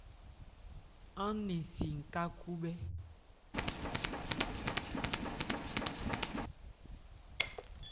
Án nɛn si n ká khúbhɛ́.